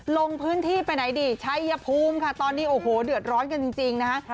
ลงพื้นที่ไปไหนดิชัยภูมิค่ะตอนนี้โอ้โหเดือดร้อนกันจริงนะฮะ